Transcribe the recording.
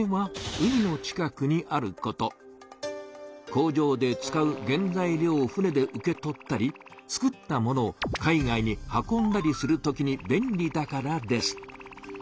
工場で使う原材料を船で受け取ったりつくったものを海外に運んだりするときに便利だからです。